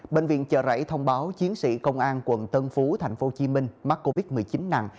bệnh viện chợ rẫy thông báo chiến sĩ công an quận tân phú tp hcm mắc covid một mươi chín nặng